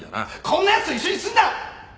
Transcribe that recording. こんなやつと一緒にすんな！